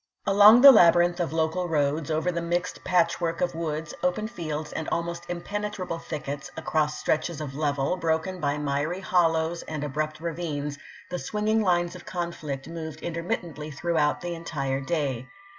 Along the labyrinth of the local roads, over the mixed patchwork of woods, open fields, and almost impenetrable thickets, across stretches of level, broken by miry hollows and abrupt ravines, the swinging lines of conflict moved intermittently throughout the entire day.